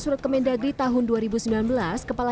surat kemendagri tahun dua ribu sembilan belas kepala